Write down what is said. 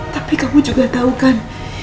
tapi kamu juga tahu kan